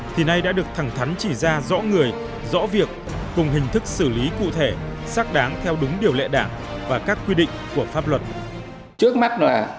thì nay đã được thẳng thắn chỉ ra rõ người rõ việc cùng hình thức xử lý cụ thể xác đáng theo đúng điều lệ đảng và các quy định của pháp luật